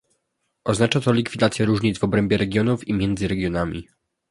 Oznacza to likwidację różnic w obrębie regionów i między regionami